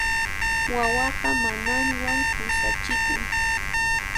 Wawaqa mamanwan pusachikun.